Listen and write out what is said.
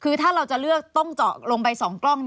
คือถ้าเราจะเลือกต้องเจาะลงไป๒กล้อง